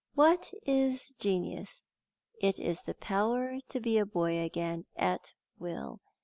What is genius? It is the power to be a boy again at will.